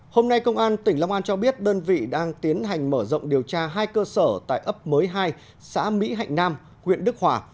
hôm nay công an tỉnh long an cho biết đơn vị đang tiến hành mở rộng điều tra hai cơ sở tại ấp mới hai xã mỹ hạnh nam huyện đức hòa